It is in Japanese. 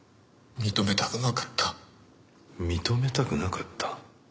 認めたくなかった？